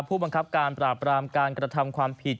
ผู้บังคับการปราบรามการกระทำความผิด